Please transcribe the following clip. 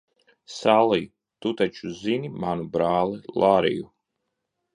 Sallij, tu taču zini manu brāli Lariju?